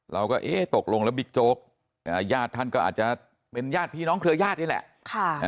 เราก็เอ๊ะตกลงแล้วบิ๊กโจ๊กญาติท่านก็อาจจะเป็นญาติพี่น้องเครือญาตินี่แหละ